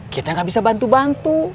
kita nggak bisa bantu bantu